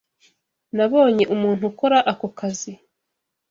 Nabonye umuntu ukora ako kazi.